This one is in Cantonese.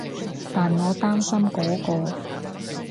但我擔心嗰個